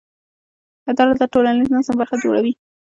اداره د ټولنیز نظم برخه جوړوي.